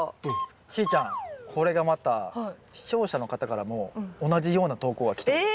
しーちゃんこれがまた視聴者の方からも同じような投稿が来てるんです。